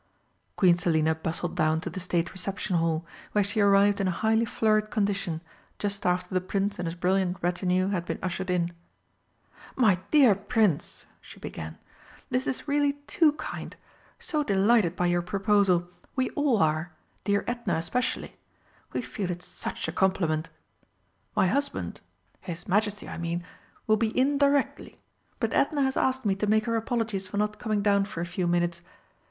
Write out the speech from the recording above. Queen Selina bustled down to the State Reception Hall, where she arrived in a highly flurried condition, just after the Prince and his brilliant retinue had been ushered in. "My dear Prince!" she began. "This is really too kind! So delighted by your proposal we all are dear Edna especially. We feel it such a compliment. My husband his Majesty, I mean will be in directly, but Edna has asked me to make her apologies for not coming down for a few minutes.